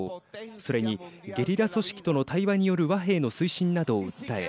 それにゲリラ組織との対話による和平の推進などを訴え